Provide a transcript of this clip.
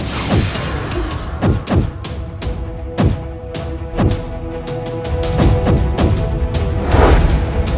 kau boleh pergi